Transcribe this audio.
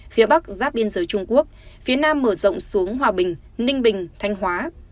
phía bắc giáp biên giới trung quốc phía nam mở rộng xuống hòa bình ninh bình thanh hóa